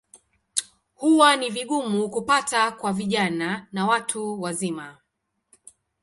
Huwa ni vigumu kupata kwa vijana na watu wazima.